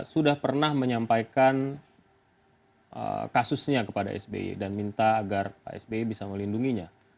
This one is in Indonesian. sudah pernah menyampaikan kasusnya kepada sby dan minta agar pak sby bisa melindunginya